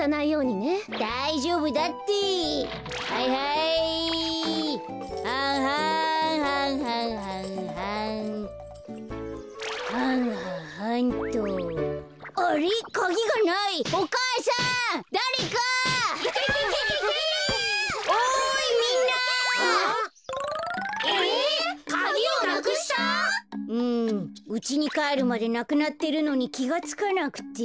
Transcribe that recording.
うんうちにかえるまでなくなってるのにきがつかなくて。